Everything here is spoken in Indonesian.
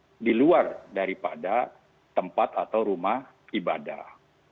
atau di luar daripada tempat atau rumah ibadah